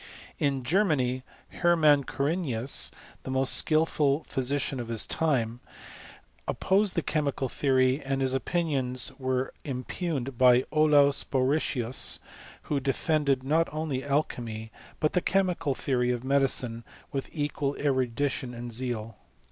In Germany, Hermann Conringius, the most skilM physician of his time, opposed the chemical theory; and his opinions were impugned by Olaus Borrichio8| who defended not only alchymy, but the chemical theory of medicine, with equal erudition and zeal.